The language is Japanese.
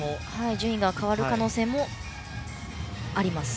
順位が変わる可能性もあります。